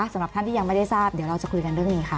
สำหรับท่านที่ยังไม่ได้ทราบเดี๋ยวเราจะคุยกันเรื่องนี้ค่ะ